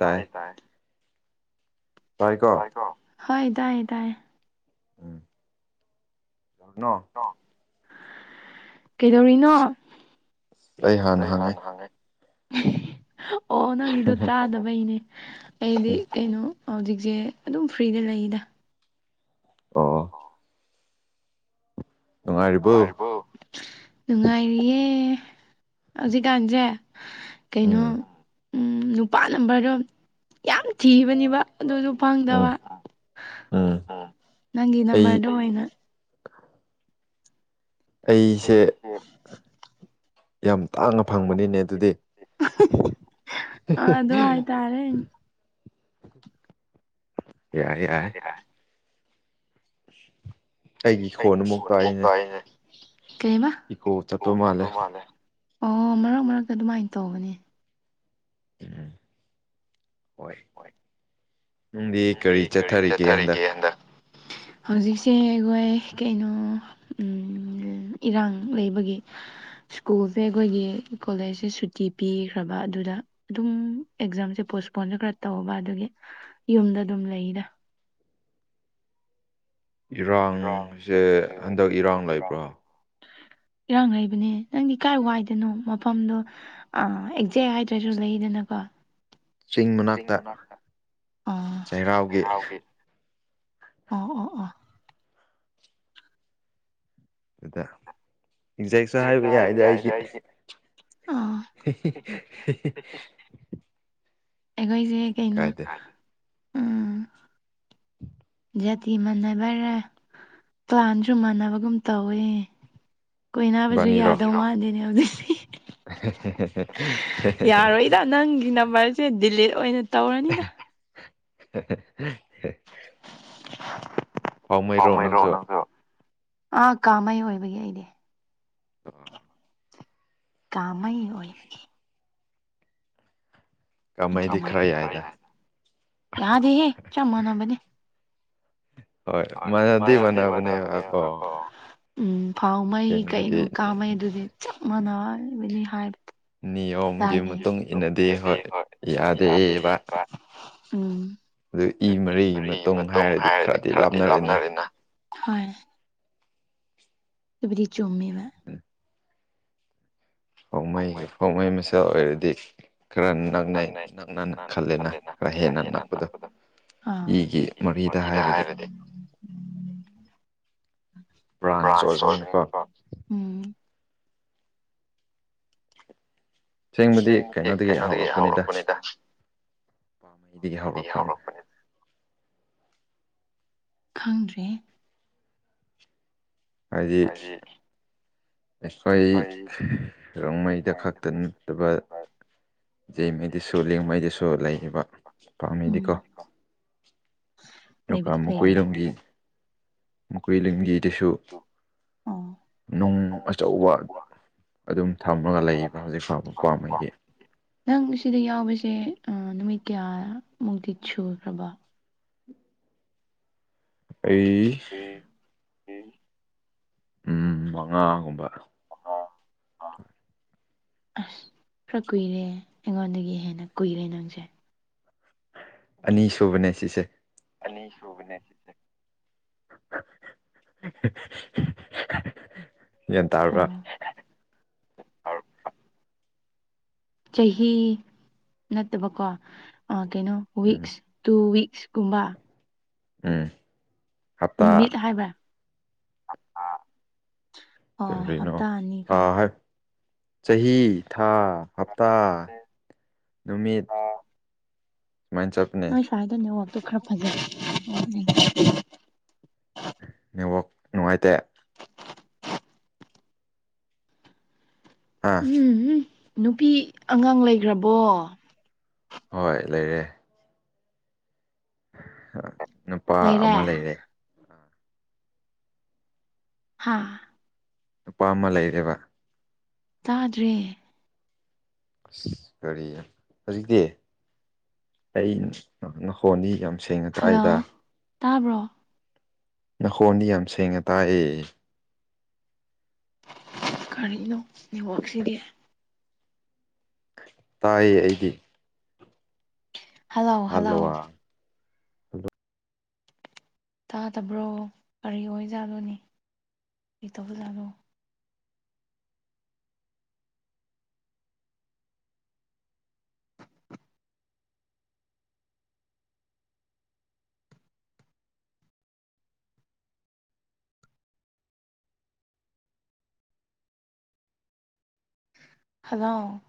ꯇꯥꯏ ꯇꯥꯏ ꯇꯥꯏꯀꯣ ꯍꯣꯏ ꯇꯥꯏꯌꯦꯦ ꯇꯌꯦ ꯎꯝ ꯅꯣ ꯀꯩꯗꯧꯔꯤꯅꯣ ꯑꯩ ꯍꯥꯟꯅ ꯍꯥꯡꯒꯦ ꯑꯣ ꯅꯪꯒꯤꯗꯣ ꯇꯥꯗꯕꯩꯅꯦ ꯑꯩꯗꯤ ꯀꯩꯅꯣ ꯍꯧꯖꯤꯛꯁꯦ ꯑꯗꯨꯝ ꯐ꯭ꯔꯤꯗ ꯂꯩꯗ ꯑꯣ ꯅꯨꯡꯉꯥꯏꯔꯤꯕꯣ ꯅꯨꯡꯉꯥꯢꯔꯤꯕꯣ ꯅꯨꯡꯉꯥꯏꯔꯤꯌꯦ ꯍꯧꯖꯤꯛꯀꯥꯟꯁꯦ ꯀꯩꯅꯣ ꯎꯝ ꯎꯝ ꯅꯨꯄꯥ ꯅꯝꯕꯔꯗꯣ ꯌꯥꯝ ꯊꯤꯕꯅꯤꯕ ꯑꯗꯨꯁꯨ ꯐꯪꯗꯕ ꯎꯝ ꯎꯝ ꯅꯪꯒꯤ ꯑꯩ ꯅꯝꯕꯔꯗꯣ ꯑꯣꯏꯅ ꯑꯩꯁꯦ ꯐ ꯌꯥꯝ ꯇꯥꯡꯅ ꯐꯪꯕꯅꯤꯅꯦ ꯑꯗꯨꯗꯤ ꯇꯥꯔꯦ ꯌꯥꯏꯦ ꯌꯥꯏꯦ [inaudible] ꯑꯩꯒꯤ ꯈꯣꯟ ꯑꯃꯨꯛ ꯇꯏꯅꯦ ꯀꯩꯃ ꯆꯠꯄ ꯃꯥꯜꯂꯦ ꯑꯣ ꯃꯔꯛ ꯃꯔꯛꯇ ꯑꯗꯨꯃꯥꯏꯅ ꯇꯧꯒꯅꯤ ꯎꯝ ꯍꯣꯏ ꯅꯪꯗꯤ ꯀꯔꯤ ꯆꯠꯊꯔꯤꯒꯦ ꯍꯟꯗꯛ ꯍꯧꯖꯤꯛꯁꯦ ꯑꯩꯈꯣꯏ ꯀꯩꯅꯣ ꯎꯝ ꯏꯔꯥꯡ ꯂꯩꯕꯒꯤ ꯁ꯭ꯀꯨꯜꯁꯦ ꯑꯩꯈꯣꯏꯒꯤ ꯀꯣꯂꯦꯖꯁꯦ ꯁꯨꯇꯤ ꯄꯤꯈ꯭ꯔꯕ ꯑꯗꯨꯗ ꯑꯗꯨꯝ ꯑꯦꯛꯖꯥꯝꯁꯦ ꯄꯣꯁꯄꯣꯟꯁꯨꯦ ꯈꯔ ꯇꯧꯕꯧꯕ ꯑꯗꯨꯗꯒꯤ ꯌꯨꯝꯗ ꯑꯗꯨꯝ ꯂꯩꯗ ꯏꯔꯥꯡꯁꯦ ꯍꯟꯗꯛ ꯏꯔꯥꯡ ꯂꯩꯕ꯭ꯔꯣ ꯏꯔꯥꯡ ꯂꯩꯕꯅꯦ ꯅꯪꯗꯤ ꯀꯥꯏ ꯋꯥꯏꯗꯅꯣ ꯃꯐꯝꯗꯣ ꯑꯥ ꯑꯦꯛꯖꯦꯛ ꯍꯥꯏꯗ꯭ꯔꯁꯨ ꯂꯩꯗꯅꯀꯣ ꯆꯤꯡ ꯃꯅꯥꯛꯇ ꯑ ꯆꯩꯔꯥꯎꯒꯤ ꯑ ꯑ ꯑꯗꯨꯗ ꯑꯦꯛꯖꯦꯛꯁꯨ ꯍꯥꯏꯕ ꯌꯥꯏꯗ ꯑꯩꯒꯤ ꯑꯥ [unintelligible] ꯑꯩꯈꯣꯏꯁꯦ ꯀꯩꯅꯣ ꯀꯥꯏꯗꯦ ꯎꯝ ꯖꯥꯇꯤ ꯃꯥꯟꯅꯕꯔꯥ ꯇꯥꯟꯁꯨ ꯃꯥꯟꯅꯕꯒꯨꯝ ꯇꯧꯏ ꯀꯣꯏꯅꯥꯕꯁꯨ ꯏꯕꯥꯅꯤꯔꯣ ꯌꯥꯗꯧ ꯃꯥꯟꯗꯦꯅꯦ ꯍꯧꯖꯤꯛꯇꯁ ꯌꯥꯔꯣꯏꯣꯏꯗ ꯅꯪꯒꯤ ꯅꯝꯕꯔꯁꯦ ꯗꯤꯂꯤꯠ ꯑꯣꯏꯅ ꯇꯧꯔꯅꯤꯗ [unintelligible] ꯀꯥꯃꯩꯔꯣ ꯅꯪꯁꯨ ꯑꯥ ꯀꯥꯃꯩ ꯑꯣꯏꯕꯒꯤ ꯑꯩꯗꯤ ꯑ ꯀꯥꯍꯩ ꯑꯣꯏꯕꯒꯤ ꯀꯥꯃꯩꯗꯤ ꯈꯔ ꯌꯥꯏꯗ ꯌꯥꯗꯦꯍꯦ ꯆꯞ ꯃꯥꯟꯅꯕꯅꯦ ꯍꯣꯏ ꯍ ꯃꯥꯟꯅꯗꯤ ꯃꯅꯗꯤ ꯃꯅꯕꯅꯦ ꯃꯥꯟꯅꯕꯅꯦꯕꯀꯣ ꯑꯀꯣ ꯎꯝ ꯐꯥꯎ ꯃꯩ ꯀꯩꯅꯣ ꯀꯩꯅꯣꯒꯤ ꯀꯥꯃꯩ ꯑꯗꯨꯗꯤ ꯆꯞ ꯃꯥꯟꯅꯕꯅꯤ ꯍꯥꯏꯕ ꯅꯤꯌꯣ ꯇꯥꯏꯅꯦ ꯃꯤꯒꯤ ꯃꯇꯨꯡ ꯏꯟꯅꯗꯦ ꯑꯩꯈꯣꯏ ꯌꯥꯗꯦ ꯌꯥꯗꯦꯕ ꯚꯥꯏ ꯎꯝ ꯆꯍꯤ ꯃꯔꯤꯒꯤ ꯃꯇꯨꯡ ꯍꯥꯏꯔꯗꯤ ꯈꯔꯗꯤ ꯂꯥꯞꯅꯔꯦꯅ ꯍꯣꯏ ꯑꯗꯨꯕꯨꯗꯤ ꯆꯨꯝꯃꯦꯕ ꯄꯥꯎꯃꯩꯒꯤ ꯄꯥꯎꯃꯩ ꯃꯁꯦꯝ ꯑꯣꯏꯔꯗꯤ ꯈꯔ ꯅꯛꯅꯩ ꯅꯛꯅꯅ ꯈꯜꯂꯦꯅ ꯈꯔ ꯍꯦꯟꯅ ꯅꯛꯄꯗꯣ ꯑꯥ ꯏꯒꯤ ꯃꯔꯤꯗ ꯍꯥꯏꯔꯗꯤ ꯕ꯭ꯔꯥꯟꯁꯨ ꯑꯣꯏꯕꯅꯤꯅꯀꯣ ꯎꯝ ꯑꯁꯦꯡꯕꯗꯤ ꯀꯩꯅꯣꯗꯒꯤ ꯍꯧꯔꯛꯄꯅꯤꯗ ꯄꯥꯝꯃꯩꯗꯒꯤ ꯍꯧꯔꯛꯄꯅꯤꯗ ꯈꯪꯗ꯭ꯔꯦ ꯍꯥꯏꯗꯤ ꯑꯩꯈꯣꯏ ꯔꯣꯡꯃꯩꯗ ꯈꯛꯇ ꯅꯠꯇꯕ ꯌꯦꯖꯩꯉꯩꯗꯁꯨ ꯂꯦꯡꯉꯩꯗꯁꯨ ꯂꯩꯔꯤꯕ ꯎꯝ ꯄꯥꯝꯃꯤꯗꯤꯀꯣ ꯑꯗꯨꯒ ꯂꯩꯕꯨꯗꯤ ꯂꯩꯔ ꯃꯨꯀꯨꯔꯣꯒꯤ ꯃꯈꯣꯏ ꯂꯤꯒꯤꯗꯁꯨ ꯑꯣ ꯅꯨꯡ ꯑꯆꯧꯕ ꯑꯗꯨꯝ ꯊꯝꯃꯒ ꯂꯩꯕ ꯍꯧꯖꯤꯛ ꯐꯥꯎꯕ ꯄꯥꯝꯕꯩꯒꯤ ꯅꯪ ꯁꯤꯗ ꯌꯥꯎꯕꯁꯦ ꯅꯨꯃꯤꯠ ꯀꯌꯥꯃꯨꯛꯇꯤ ꯁꯨꯈ꯭ꯔꯕ ꯑꯩ ꯎꯝ ꯃꯉꯥꯒꯨꯝꯕ [unintelligible] ꯑꯁ ꯈꯔ ꯀꯨꯏꯔꯦ ꯑꯩꯉꯣꯟꯗꯒꯤ ꯍꯦꯟꯅ ꯀꯨꯏꯔꯦ ꯅꯪꯁꯦ ꯑꯅꯤꯁꯨꯨꯕꯅꯦ ꯁꯤꯁꯦ ꯑꯅꯤꯁꯨꯕꯅꯦ ꯁꯤꯁꯦ ꯒ꯭ꯌꯥꯟ ꯇꯥꯔꯕ꯭ꯔꯥ ꯆꯍꯤ ꯅꯠꯇꯕꯀꯣ ꯑꯥ ꯀꯩꯅꯣ ꯎꯝ ꯋꯤꯛꯁ ꯇꯨ ꯋꯤꯛꯁ ꯀꯨꯝꯕ ꯎꯝ ꯅꯨꯃꯤꯠ ꯍꯞꯇꯥ ꯍꯥꯏꯕ ꯑꯣ ꯀꯔꯤꯅꯣ ꯍꯞꯇꯥ ꯑꯅꯤꯒ ꯊꯥ ꯍꯥꯏ ꯆꯍꯤ ꯊꯥ ꯍꯞꯇꯥ ꯅꯨꯃꯤꯠ [unintelligible] ꯅꯣꯏ ꯁ꯭ꯋꯥꯏꯗꯣ ꯅꯦꯠꯋꯥꯛꯇꯣ ꯈꯔ ꯐꯖꯩ [unintelligible] ꯅꯦꯠꯋꯥꯛ ꯅꯨꯡꯉꯥꯏꯇꯦ ꯍꯥꯥ ꯎꯝ ꯎꯝ ꯅꯨꯄꯤ ꯑꯉꯥꯡ ꯂꯩꯈ꯭ꯔꯕꯣ ꯍꯣꯏ ꯂꯩꯌꯦ ꯅꯨꯄꯥ ꯑꯃ ꯂꯩꯔꯦ ꯍꯥꯥ ꯅꯨꯄꯥ ꯑꯃ ꯂꯩꯔꯦꯕ ꯇꯥꯗ꯭ꯔꯦ ꯑꯁ ꯀꯔꯤ ꯍꯧꯖꯤꯛꯇꯤ ꯑꯩ ꯅꯈꯣꯟꯗꯤ ꯌꯥꯝ ꯁꯦꯡꯅ ꯍꯜꯂꯣ ꯇꯥꯛꯏꯗ ꯇꯥꯕ꯭ꯔꯣ ꯅꯀꯣꯟꯗꯤ ꯌꯥꯝ ꯁꯦꯡꯅ ꯇꯥꯏꯌꯦ ꯀꯔꯤꯅꯣ ꯅꯋꯥꯛꯁꯤꯗꯤ ꯇꯥꯏꯌꯦ ꯑꯩꯗꯤ ꯍꯜꯂꯣ ꯍꯜꯂꯣ ꯇꯥꯗꯕ꯭ꯔꯣ ꯀꯔꯤ ꯑꯣꯏꯖꯥꯠꯂꯣꯅꯦ ꯀꯔꯤ ꯇꯧꯕꯖꯥꯠꯂꯣ ꯍꯜꯂꯣ